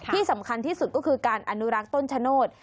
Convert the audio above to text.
ที่สำคัญที่สุดก็คือการอนุรักษ์ต้นชะโนธ